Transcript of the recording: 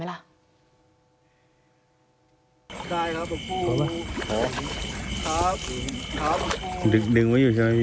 ได้ครับผมครับครับดึงดึงไว้อยู่ใช่ไหมพี่